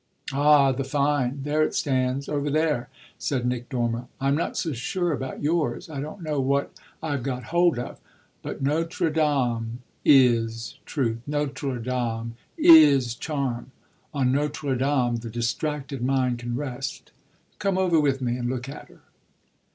"Ah the fine there it stands, over there!" said Nick Dormer. "I'm not so sure about yours I don't know what I've got hold of. But Notre Dame is truth; Notre Dame is charm; on Notre Dame the distracted mind can rest. Come over with me and look at her!"